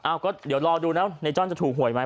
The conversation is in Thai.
ก็เดี๋ยวรอดูนะในจ้อนจะถูกหวยไหม